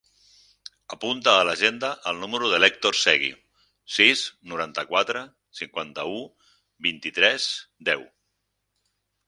Apunta a l'agenda el número de l'Hèctor Segui: sis, noranta-quatre, cinquanta-u, vint-i-tres, deu.